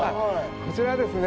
こちらですね